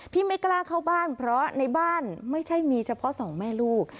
ไม่กล้าเข้าบ้านเพราะในบ้านไม่ใช่มีเฉพาะสองแม่ลูก